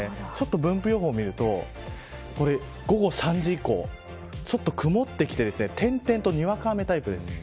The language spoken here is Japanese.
分布予報を見ると、午後３時以降ちょっと曇ってきて点々と、にわか雨タイプです。